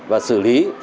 và xử lý